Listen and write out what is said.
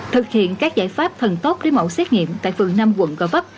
thực hiện các giải pháp thần tốt lấy mẫu xét nghiệm tại phường năm quận gò vấp